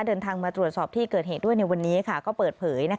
เดินทางมาตรวจสอบที่เกิดเหตุด้วยในวันนี้ก็เปิดเผย